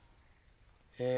え。